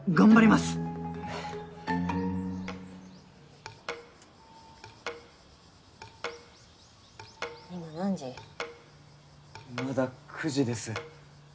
まだ９時です